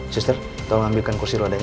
sister tolong ambilkan kursi rodanya